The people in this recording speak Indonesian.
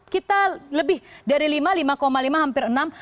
kita lebih dari lima lima koma lima hampir enam